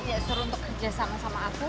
ya suruh untuk kerja sama sama aku